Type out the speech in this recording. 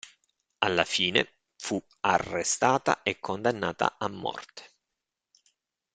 Alla fine fu arrestata e condannata a morte.